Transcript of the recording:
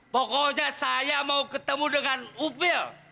pokoknya saya mau ketemu dengan upil